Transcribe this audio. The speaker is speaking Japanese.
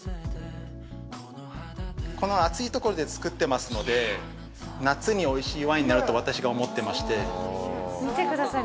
この暑い所で造ってますので夏においしいワインになると私が思ってまして見てください